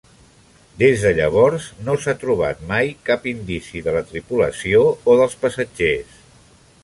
Des de llavors no s'ha trobat mai cap indici de la tripulació o dels passatgers.